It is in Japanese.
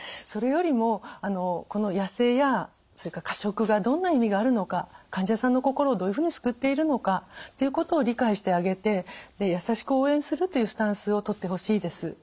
それよりもこの痩せやそれから過食がどんな意味があるのか患者さんの心をどういうふうに救っているのかっていうことを理解してあげて優しく応援するというスタンスをとってほしいです。